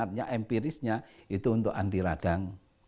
artinya empirisnya itu untuk anti radang